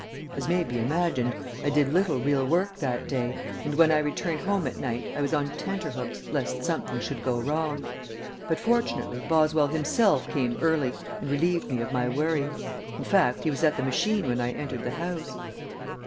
As may be imagined, I did little real work that day, and when I returned home at night I was on tenter hooks lest something should go wrong; but fortunately Boswell himself came early and relieved me of my worry in fact, he was at the machine when I entered the house.